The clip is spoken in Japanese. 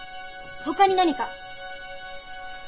他に何か？